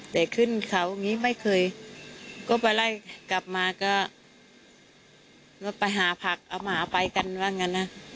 แต่ขึ้นเขาอย่างนี้ไม่เคยก็ไปไล่กลับมาก็ไปหาผักเอาหมาไปกันว่างั้นนะ